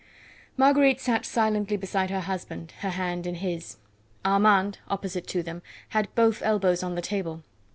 Marguerite sat silently beside her husband, her hand in his. Armand, opposite to them, had both elbows on the table.